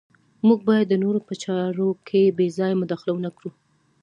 موږ باید د نورو په چارو کې بې ځایه مداخله ونه کړو.